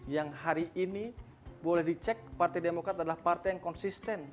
yang hari ini boleh dicek partai demokrat adalah partai yang konsisten